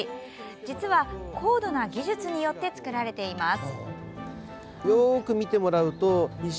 実は、高度な技術によって造られています。